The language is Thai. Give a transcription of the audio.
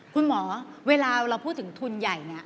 เวลาเราพูดถึงทุนใหญ่เนี่ย